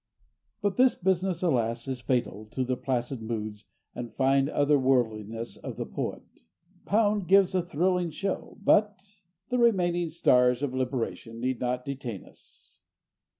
But this business, alas, is fatal to the placid moods and fine other worldliness of the poet. Pound gives a thrilling show, but—.... The remaining stars of the liberation need not detain us.